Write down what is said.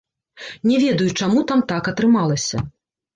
Не ведаю, чаму там так атрымалася.